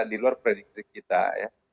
di luar prediksi kita ya